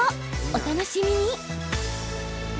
お楽しみに。